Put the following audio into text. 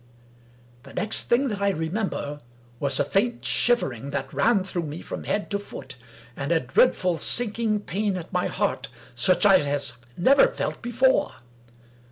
The next thing that I remember was a faint shivering 230 Wilkie Collins that ran through me from head to foot, and a dreadful sinking pain at my heart, such as I had never felt before.